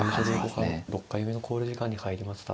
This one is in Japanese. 里見女流五冠６回目の考慮時間に入りました。